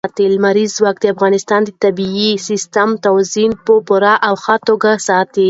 لمریز ځواک د افغانستان د طبعي سیسټم توازن په پوره او ښه توګه ساتي.